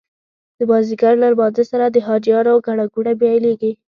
د مازدیګر له لمانځه سره د حاجیانو ګڼه ګوڼه پیلېږي.